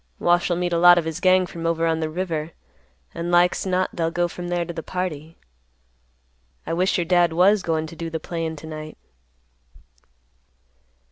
Wash'll meet a lot of his gang from over on the river, and like's not they'll go from there to the party. I wish your dad was goin' to do the playin' to night."